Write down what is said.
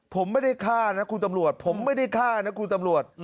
ผมไม่ได้ฆ่านักคุณตำรวจ